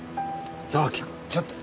沢木君ちょっと。